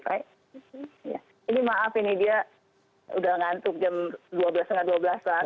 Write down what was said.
ini maaf ini dia udah ngantuk jam dua belas tiga puluh dua belas an